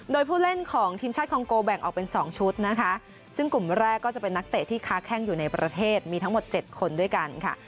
โดยผู้เล่นของทีมชาติคองโกแบ่งออกเป็น๒ชุดนะคะซึ่งกลุ่มแรกก็จะเป็นนักเตะที่ค้าแข้งอยู่ในประเทศมีทั้งหมด๗คนด้วยกันค่ะ